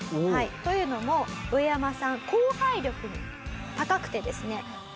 というのもウエヤマさん後輩力高くてですね。